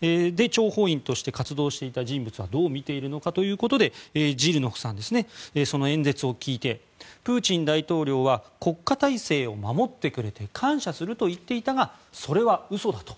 諜報員として活動していた人物はどうみているのかということでジルノフさんはその演説を聞いてプーチン大統領は国家体制を守ってくれて感謝すると言っていたがそれは嘘だと。